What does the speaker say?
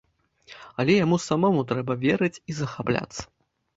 Але яму самому трэба верыць і захапляцца.